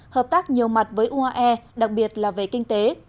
hợp tác nhiều mặt với uae đặc biệt là về kinh tế